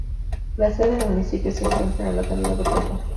La sede del municipio se encuentra en la localidad de Peta.